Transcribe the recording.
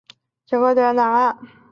整个城市沿着楠河岸。